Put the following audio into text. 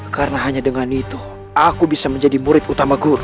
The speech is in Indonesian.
karena hanya dengan itu aku bisa menjadi murid utama guru